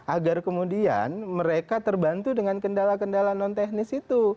agar kemudian mereka terbantu dengan kendala kendala non teknis itu